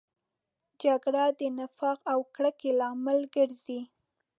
جګړه د نفاق او کرکې لامل ګرځي